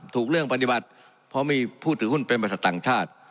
ถูกเรื่องปฏิบัติเพราะมีผู้ถือหุ้นเป็นบริษัทต่างชาติ